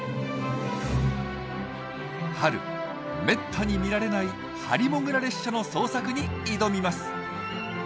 春めったに見られないハリモグラ列車の捜索に挑みます。